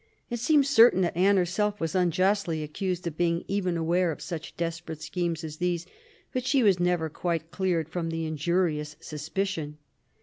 It seems certain that Anne herself was unjustly accused of being even aware of such desperate schemes as these ; but she was never quite cleared from the injurious suspicion.